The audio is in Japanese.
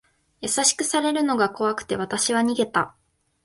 優しくされるのが怖くて、わたしは逃げた。